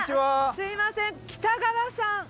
すいません北川さん？